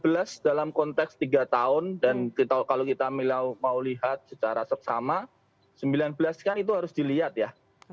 dua ribu sembilan belas dalam konteks tiga tahun dan kalau kita mau lihat secara seksama sembilan belas kan itu harus dilihat ya